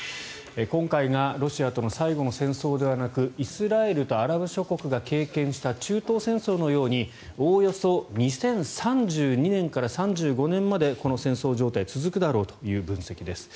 今回がロシアとの最後の戦争ではなくイスラエルとアラブ諸国が経験した中東戦争のように、おおよそ２０３２年から３５年までこの戦争状態が続くだろうという分析です。